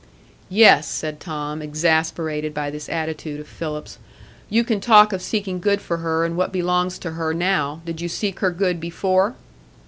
"Yes," said Tom, exasperated by this attitude of Philip's, "you can talk of seeking good for her and what belongs to her now; did you seek her good before?"